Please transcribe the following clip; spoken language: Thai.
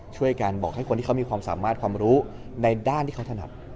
ช่วยกันบอกให้คนที่เขามีความสามารถความรู้ในด้านที่เขาถนัด